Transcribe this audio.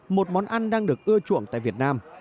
một món ăn đang được ưa chuộng tại việt nam